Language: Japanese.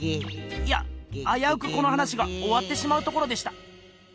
いやあやうくこの話がおわってしまうところでした。